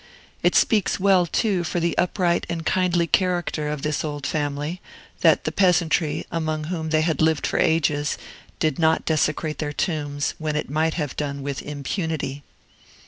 It speaks well, too, for the upright and kindly character of this old family, that the peasantry, among whom they had lived for ages, did not desecrate their tombs, when it might have been done with impunity.